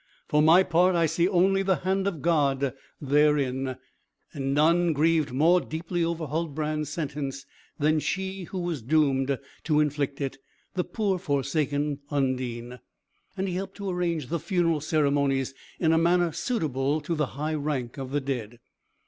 For my part, I see only the hand of God therein; and none grieved more deeply over Huldbrand's sentence, than she who was doomed to inflict it, the poor forsaken Undine!" And he helped to arrange the funeral ceremonies in a manner suitable to the high rank of the dead.